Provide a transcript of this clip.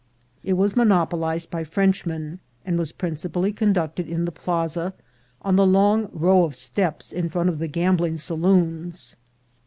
It was monopo lized by Frenchmen, and was principally conducted in the Plaza, on the long row of steps in front of the gambling saloons.